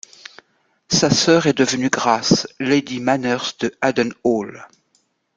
Sa soeur est devenue Grace, Lady Manners de Haddon Hall.